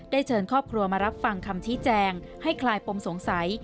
เชิญครอบครัวมารับฟังคำชี้แจงให้คลายปมสงสัย